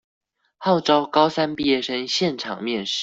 號召高三畢業生現場面試